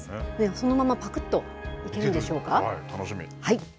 そのままぱくっといけるんでしょうか？